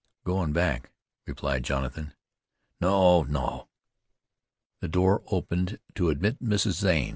"I'm goin' back," replied Jonathan. "No! no!" The door opened to admit Mrs. Zane.